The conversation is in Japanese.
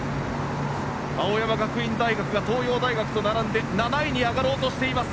青山学院大学が東洋大学と並んで７位に上がろうとしています。